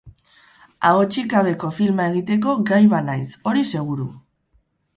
Ahotsik gabeko filma egiteko gai banaiz, hori seguru.